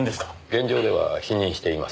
現状では否認しています。